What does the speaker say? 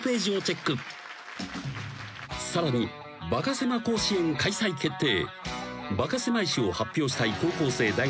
［さらにバカせま甲子園開催決定］